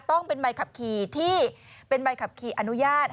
ต้องเป็นใบขับขี่ที่เป็นใบขับขี่อนุญาต